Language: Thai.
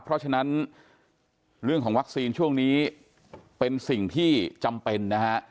เพราะฉะนั้นเรื่องของวัคซีนช่วงนี้เป็นสิ่งที่จำเป็นนะฮะ